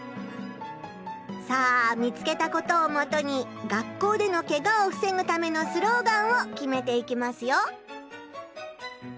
さあ見つけたことをもとに学校でのケガを防ぐためのスローガンを決めていきますよ。